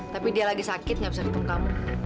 tapi dia lagi sakit nggak bisa ketemu kamu